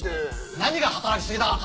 何が働きすぎだ！